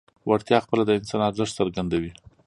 وړتیا خپله د انسان ارزښت څرګندوي.